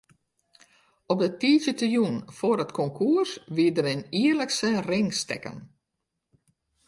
Op de tiisdeitejûn foar it konkoers wie der it jierlikse ringstekken.